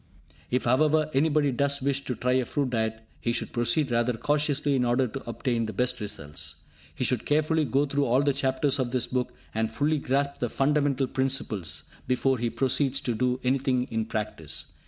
If however, anybody does wish to try a fruit diet, he should proceed rather cautiously in order to obtain the best results. He should carefully go through all the chapters of this book, and fully grasp the fundamental principles, before he proceeds to do anything in practice.